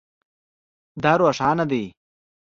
دا روښانه دی